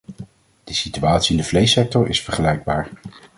De situatie in de vleessector is vergelijkbaar.